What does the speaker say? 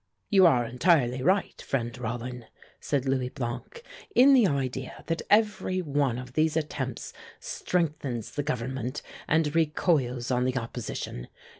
"You are entirely right, friend Rollin," said Louis Blanc, "in the idea that every one of these attempts strengthens the Government and recoils on the opposition.